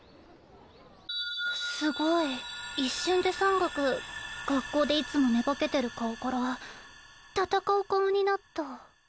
すごい一瞬でさんがく学校でいつも寝ぼけてるカオから闘う顔になった。